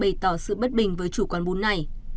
bày tỏ sự bất bình với chủ quán bún này